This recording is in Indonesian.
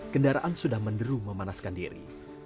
kendaraan sudah menderu memanaskan diri